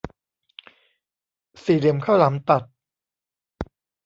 สี่เหลี่ยมข้าวหลามตัด